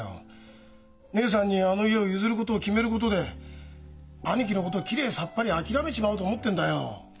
義姉さんにあの家を譲ることを決めることで兄貴のこときれいさっぱり諦めちまおうと思ってんだよ。